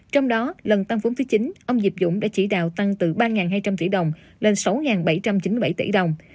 trong đó lần tăng vốn thứ chín ông diệp dũng đã chỉ đạo tăng từ ba hai trăm linh tỷ đồng lên sáu bảy trăm chín mươi bảy tỷ đồng